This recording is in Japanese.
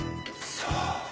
さあ。